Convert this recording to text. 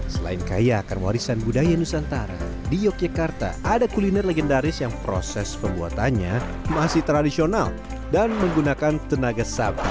selain kaya akan warisan budaya nusantara di yogyakarta ada kuliner legendaris yang proses pembuatannya masih tradisional dan menggunakan tenaga sapi